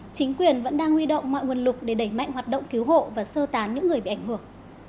chính quyền vẫn đang huy động mọi nguồn lực để đẩy mạnh hoạt động cứu hộ và sơ tán những người bị ảnh hưởng